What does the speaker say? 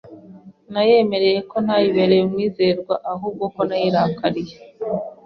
Nayemereye ko ntayibereye umwizerwa, ahubwo ko nayirakariye